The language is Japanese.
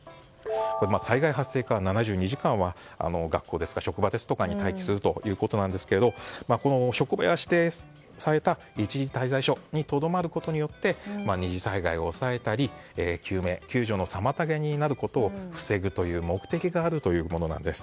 災害発生から７２時間は学校や職場で待機するということなんですけど職場や指定された一時滞在所にとどまることで２次災害を抑えたり救命・救助の妨げになることを防ぐという目的があるというものなんです。